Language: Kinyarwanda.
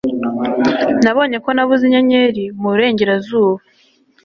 Nabonye ko nabuze inyenyeri mu burengerazuba